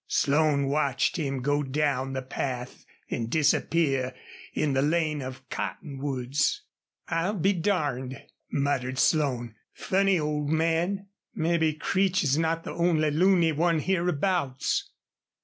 Slone watched him go down the path and disappear in the lane of cottonwoods. "I'll be darned!" muttered Slone. "Funny old man. Maybe Creech's not the only loony one hereabouts."